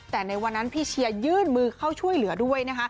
แต่ในวันนั้นพี่เชียร์ยื่นมือเข้าช่วยเหลือด้วยนะคะ